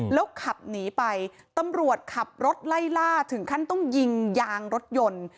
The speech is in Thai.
แล้วขับหนีไปตำรวจขับรถไล่ล่าถึงขั้นต้องยิงยางรถยนต์